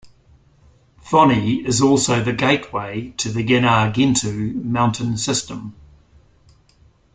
Fonni is also the gateway to the Gennargentu mountain system.